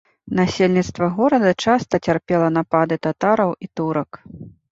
Насельніцтва горада часта цярпела напады татараў і турак.